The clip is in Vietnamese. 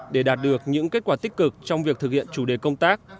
để đạt được những kết quả tích cực trong việc thực hiện chủ đề công tác